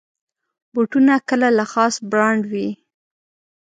بوټونه کله له خاص برانډ وي.